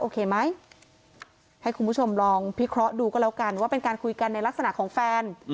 ไหมให้คุณผู้ชมลองพิเคราะห์ดูก็แล้วกันว่าเป็นการคุยกันในลักษณะของแฟน